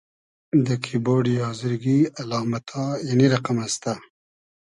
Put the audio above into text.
دۂ کیبۉرۮی آزرگی الامئتا اېنی رئقئم استۂ: